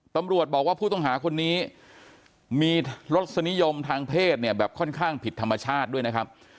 ตำรวจบอกว่าผู้ต้องหาคนนี้มีรสนิยมทางเพศเนี่ยแบบค่อนข้างผิดธรรมชาติด้วยนะครับ